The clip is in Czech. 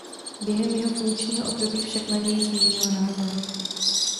Během jeho funkčního období však na něj změnila názor.